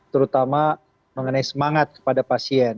terutama mengenai semangat kepada pasien